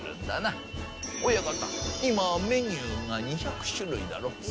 今メニューが２００種類だろ？